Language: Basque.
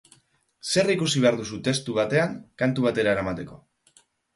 Zer ikusi behar duzu testu batean, kantu batera eramateko?